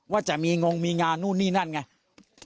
ว่าจะมีงงมีงานนู่นนี่นั่นไง